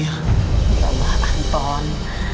ya allah anton